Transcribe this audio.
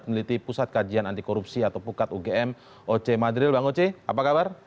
pemilihan pemiliki pusat kajian anti korupsi atau pukad ugm oc madril bang oc apa kabar